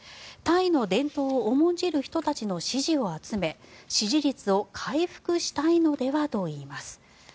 タイの伝統を重んじる人たちの支持を集め支持率を回復したいのではといいます。